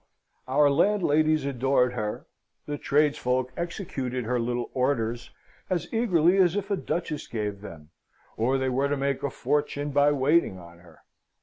Our landladies adored her; the tradesfolk executed her little orders as eagerly as if a duchess gave them, or they were to make a fortune by waiting on her.